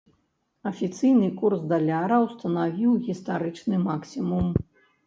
Афіцыйны курс даляра ўстанавіў гістарычны максімум.